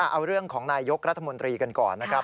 เอาเรื่องของนายกรัฐมนตรีกันก่อนนะครับ